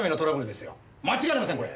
間違いありませんこれ！